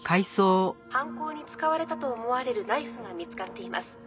「犯行に使われたと思われるナイフが見つかっています」